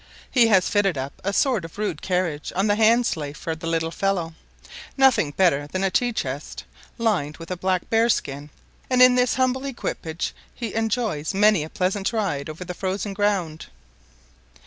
He has fitted up a sort of rude carriage on the hand sleigh for the little fellow nothing better than a tea chest, lined with a black bear skin, and in this humble equipage he enjoys many a pleasant ride over the frozen ground.